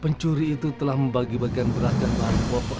pencuri itu telah membagi bagian beras dan bahan pokok